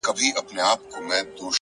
• لا پر سوځلو ښاخلو پاڼي لري,